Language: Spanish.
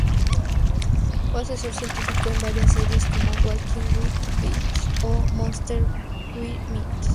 Fue asesor científico en varias series como "Walking with Beasts" o "Monsters We Met".